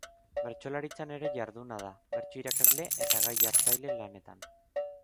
Bertsolaritzan ere jarduna da, bertso irakasle eta gai jartzaile lanetan.